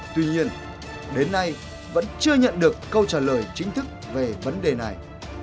tuy nhiên đến nay vẫn chưa nhận được câu trả lời chính thức về vấn đề này